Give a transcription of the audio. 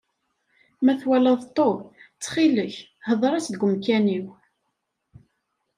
Ma twalaḍ Tom, ttxil-k, hder-as deg umkan-iw.